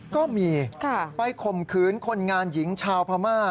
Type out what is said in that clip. ก็มีไปข่มขืนคนงานหญิงชาวพม่า